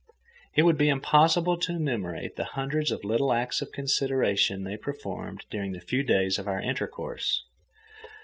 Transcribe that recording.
It would be impossible to enumerate the hundreds of little acts of consideration they performed during the few days of our intercourse.